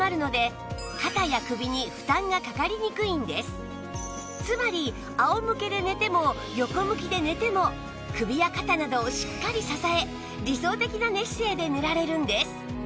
そうつまり仰向けで寝ても横向きで寝ても首や肩などをしっかり支え理想的な寝姿勢で寝られるんです